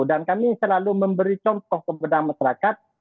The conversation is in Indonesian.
dan kami selalu memberi contoh kepada masyarakat